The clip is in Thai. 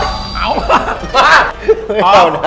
ว้าว